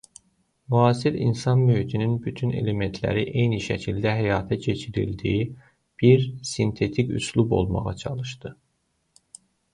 Müasir insan mühitinin bütün elementləri eyni şəkildə həyata keçirildiyi bir sintetik üslub olmağa çalışdı.